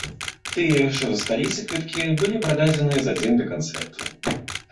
Тыя, што засталіся квіткі былі прададзеныя за дзень да канцэрту.